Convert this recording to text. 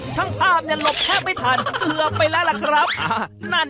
ช่างภาพเนี่ยหลบแทบไม่ทันเกือบไปแล้วล่ะครับ